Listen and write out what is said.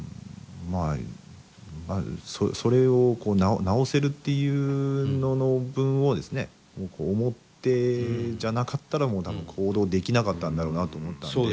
まあそれを治せるっていうのの分をですね思ってじゃなかったらもう多分行動できなかったんだろうなと思ったんで。